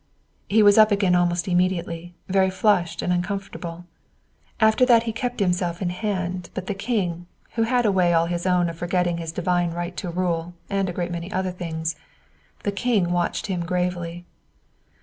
He was up again almost immediately, very flushed and uncomfortable. After that he kept himself in hand, but the King, who had a way all his own of forgetting his divine right to rule, and a great many other things the King watched him gravely.